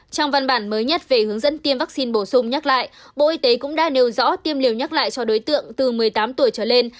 trong văn bản mới nhất về hướng dẫn tiêm vaccine bổ sung nhắc lại bộ y tế cũng đã nêu rõ tiêm liều nhắc lại cho đối tượng từ một mươi tám tuổi trở lên